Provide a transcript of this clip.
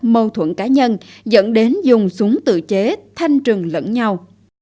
mâu thuẫn cá nhân dẫn đến dùng súng tự chế thanh trừng lẫn nhau